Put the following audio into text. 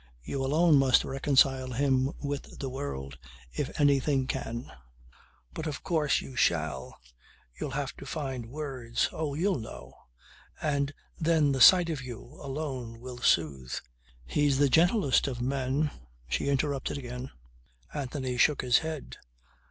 You alone must reconcile him with the world if anything can. But of course you shall. You'll have to find words. Oh you'll know. And then the sight of you, alone, would soothe " "He's the gentlest of men," she interrupted again. Anthony shook his head.